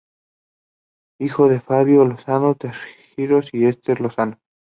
Hijo de Fabio Lozano Torrijos y Ester Lozano.